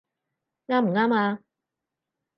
啱唔啱呀？